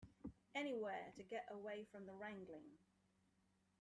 Anywhere to get away from that wrangling.